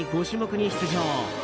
５種目に出場。